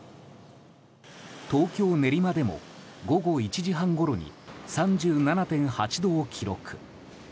東京・練馬でも午後１時半ごろに３７．８度を記録。